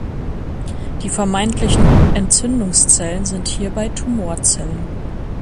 Die vermeintlichen Entzündungszellen sind hierbei Tumorzellen.